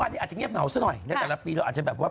อันนี้อาจจะเงียบเหงาซะหน่อยในแต่ละปีเราอาจจะแบบว่า